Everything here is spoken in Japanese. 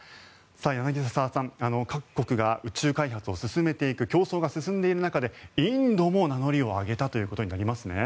柳澤さん各国が宇宙開発を進めていく競争が進んでいる中でインドも名乗りを上げたということになりますね。